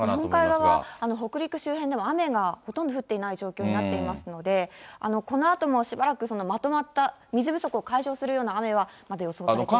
日本海側、北陸周辺では雨がほとんど降っていない状況になっていますので、このあともしばらくまとまった、水不足を解消するような雨はまだ予想されていないです。